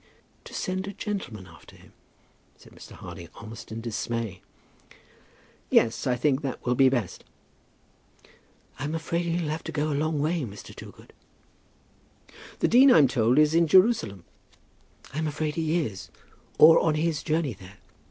"To send a gentleman after him?" said Mr. Harding, almost in dismay. "Yes; I think that will be best." "I'm afraid he'll have to go a long way, Mr. Toogood." "The dean, I'm told, is in Jerusalem." "I'm afraid he is, or on his journey there.